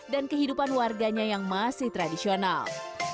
dan kehidupan warganya yang masih tradisional